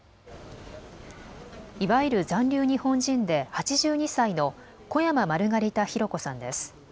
いわゆる残留日本人で８２歳の小山マルガリタ・ヒロコさんです。